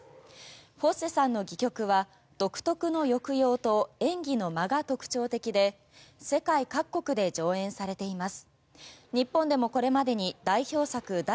フォッセさんの戯曲は独特の抑揚と演技の間が特徴的で世界各国で上演されています。